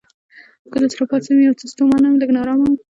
کله چې راپاڅېدم یو څه ستومانه وم، لږ نا ارامه وم.